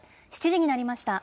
７時になりました。